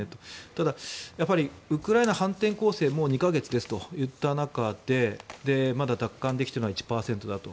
ただ、ウクライナ反転攻勢もう２か月ですといった中でまだ奪還できているのは１％だと。